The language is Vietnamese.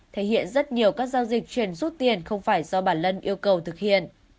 thể hiện rất nhiều các giao dịch chuyển rút tiền không phải do bản lân yêu cầu thực hiện